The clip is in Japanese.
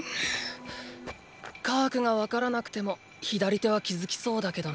カハクがわからなくても左手は気付きそうだけどな。。